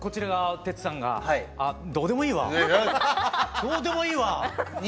どうでもいいわ。